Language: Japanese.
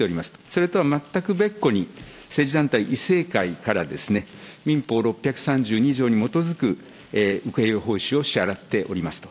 それとは全く別個に、政治団体以正会から民法６３２条に基づく請け負い報酬を支払っておりますと。